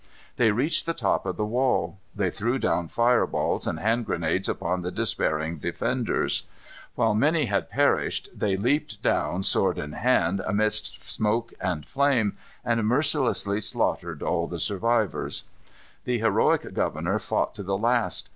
They reached the top of the wall. They threw down fire balls and hand grenades upon the despairing defenders. When many had perished they leaped down, sword in hand, amidst smoke and flame, and mercilessly slaughtered all the survivors. The heroic governor fought to the last.